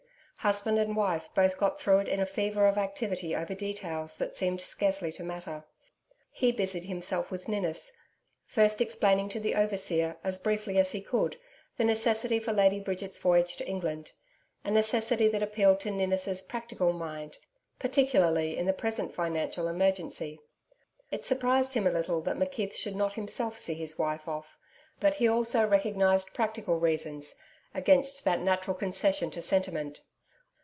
Husband and wife both got through it in a fever of activity over details that seemed scarcely to matter. He busied himself with Ninnis first explaining to the overseer as briefly as he could, the necessity for Lady Bridget's voyage to England a necessity that appealed to Ninnis' practical mind, particularly in the present financial emergency. It surprised him a little that McKeith should not himself see his wife off; but he also recognised practical reasons against that natural concession to sentiment.